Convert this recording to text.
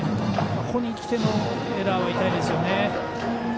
ここにきてのエラーは痛いですよね。